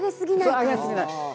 そう上げすぎない。